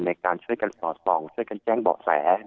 ในการช่วยกันสอดส่องช่วยกันแจ้งเบาะแส